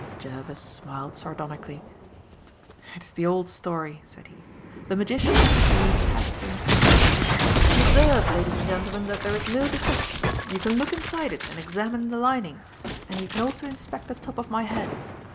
Jervis smiled sardonically. "It is the old story," said he. "The magician offers you his hat to inspect. 'You observe, ladies and gentlemen, that there is no deception. You can look inside it and examine the lining, and you can also inspect the top of my head.